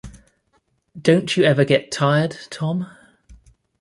Don't you ever get tired, Tom?